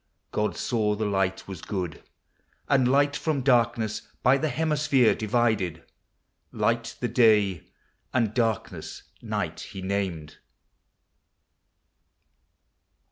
God saw the light wa? good; And light from darkness by the hemisphere Divided : light the Day, and darkness Xight, He named.